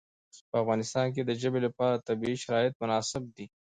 په افغانستان کې د ژبې لپاره طبیعي شرایط مناسب دي.